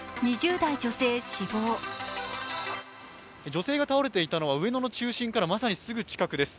女性が倒れていたのは上野の中心からまさにすぐ近くです。